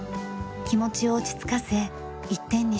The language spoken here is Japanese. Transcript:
気持ちを落ち着かせ一点に集中します。